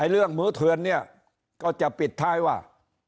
เรื่องหมูเถือนเนี่ยก็จะปิดท้ายว่า